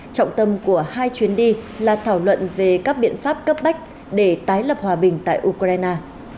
trọng tâm của hai chuyến đi là thảo luận về các biện pháp cấp bách để tái lập hòa bình tại ukraine